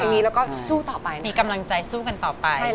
มีกำลังใจสู้กันต่อไป